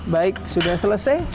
baik sudah selesai